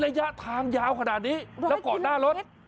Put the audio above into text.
ระยะทางยาวขนาดนี้แล้วก่อนหน้ารถ